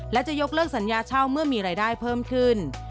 และจะยกเลิกสัญญาเช่าเมื่อมีรายได้เพิ่มขึ้น